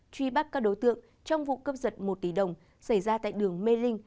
truy bắt các đối tượng trong vụ cướp giật một tỷ đồng xảy ra tại đường mê linh